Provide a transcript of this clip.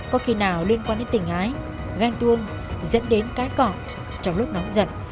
có khi nào liên quan đến tình ái ganh tuông dẫn đến cái cọp trong lúc nóng giật